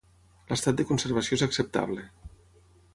L'estat de conservació és acceptable.